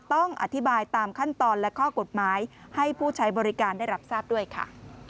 ต้องอธิบายตามขั้นตอนและข้อกฎหมายให้ผู้ใช้บริการได้รับทราบด้วยค่ะ